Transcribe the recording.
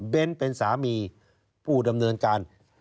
เป็นสามีผู้ดำเนินการ